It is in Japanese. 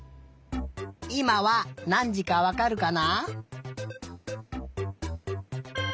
いまはなんじかわかるかな？